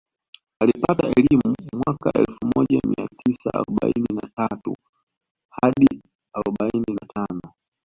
Alipata elimu mwaka elfu moja mia tisa arobaini na tatu hadi arobaini na tano